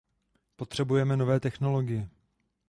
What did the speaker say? Potřebujeme nové technologie.